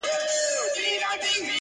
• یا ښکاري یا د زمري خولې ته سوغات سم -